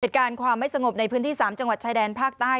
เหตุการณ์ความไม่สงบในพื้นที่๓จังหวัดชายแดนภาคใต้